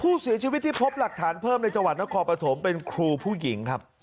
ผู้เสียชีวิตที่พบหลักฐานเพิ่มในจังหวัดนครปฐมเป็นครูผู้หญิงครับ